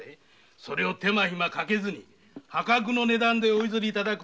それを手間暇かけずに破格の値段でお譲りいただくわけだ。